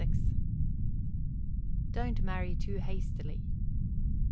_Don't marry too hastily.